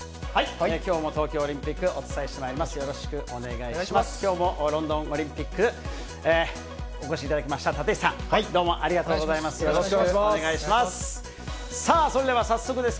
きょうも東京オリンピック、お伝えしてまいります。